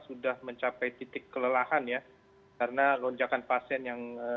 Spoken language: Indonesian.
sudah mencapai titik kelelahan ya karena lonjakan pasien yang